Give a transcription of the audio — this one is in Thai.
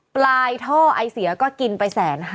ปลายท่อไอเสียก็กินไป๑๕๐๐